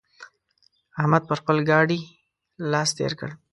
احمد پر خپل ګاډي لاس تېر کړ.